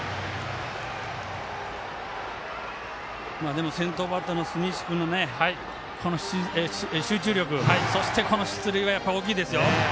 でも先頭バッターの住石君集中力そして、出塁は大きいです。